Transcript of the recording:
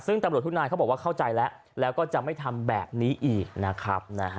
ซึ่งตำรวจทุกนายเขาบอกว่าเข้าใจแล้วแล้วก็จะไม่ทำแบบนี้อีกนะครับ